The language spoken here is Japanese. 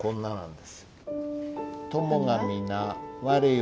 で